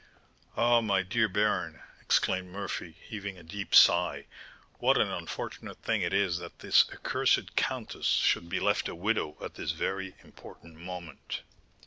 "Ah! my dear baron," exclaimed Murphy, heaving a deep sigh, "what an unfortunate thing it is that this accursed countess should be left a widow at this very important moment!"